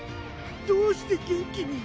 どうして元気に？